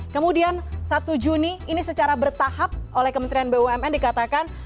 kemudian satu juni ini secara bertahap oleh kementerian bumn dikatakan